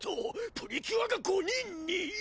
プリキュアが５人に⁉」